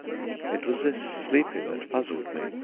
It was this sleeping that puzzled me.